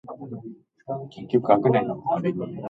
Strensham services were the first to gain a Cotton Traders.